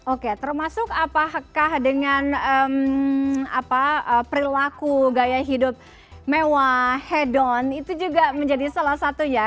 oke termasuk apakah dengan perilaku gaya hidup mewah headon itu juga menjadi salah satunya